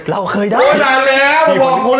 เราเคยได้